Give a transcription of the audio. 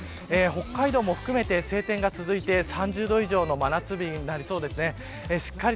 北海道も含めて晴天が続いて３０度以上の真夏日になりそうですね。